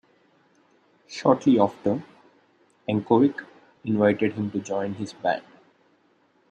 Shortly after, Yankovic invited him to join his band.